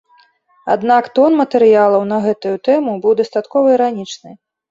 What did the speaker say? Аднак тон матэрыялаў на гэтую тэму быў дастаткова іранічны.